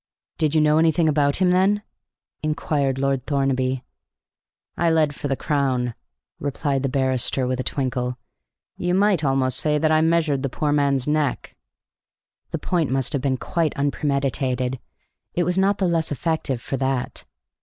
"Did you know anything about him, then?" inquired Lord Thornaby. "I led for the Crown," replied the barrister, with a twinkle. "You might almost say that I measured the poor man's neck." The point must have been quite unpremeditated; it was not the less effective for that.